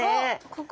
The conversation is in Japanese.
ここ。